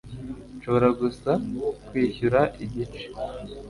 Nshobora gusa kwishyura igice.